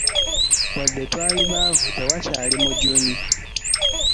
Yadde twali baavu tewakyali mujuni.